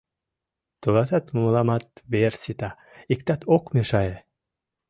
Тылатат, мыламат вер сита, иктат ок мешае».